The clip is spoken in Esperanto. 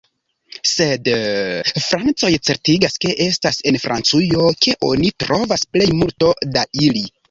Sed... francoj certigas ke estas en Francujo ke oni trovas plej multo da ili.